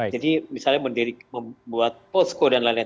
jadi misalnya membuat posko dan lain lain